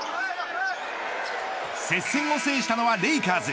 接戦を制したのはレイカーズ。